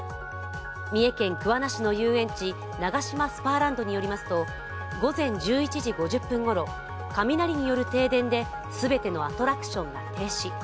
三重県桑名市の遊園地、ナガシマスパーランドによりますと午前１１時５０分ごろ、雷による停電で全てのアトラクションが停止。